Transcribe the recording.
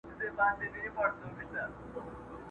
چي له شا څخه یې خلاص د اوږو بار کړ٫